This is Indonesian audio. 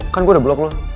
kan gue udah blok lo